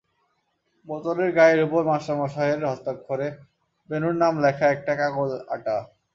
বোতলের গায়ের উপর মাস্টারমশায়ের হস্তাক্ষরে বেণুর নাম লেখা একটা কাগজ আঁটা।